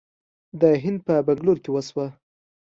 د هند په بنګلور کې وشوه